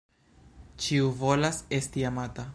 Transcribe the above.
Ĉiu volas esti amata.